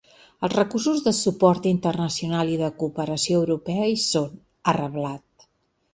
Els recursos de suport internacional i de cooperació europea hi són, ha reblat.